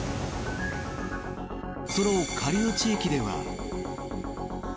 その下流地域では。